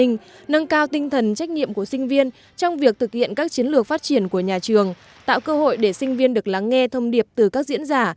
nâng cao tinh thần trách nhiệm của sinh viên trong việc thực hiện các chiến lược phát triển của nhà trường tạo cơ hội để sinh viên được lắng nghe thông điệp từ các diễn giả